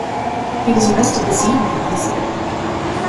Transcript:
"He was arrested this evening," he said.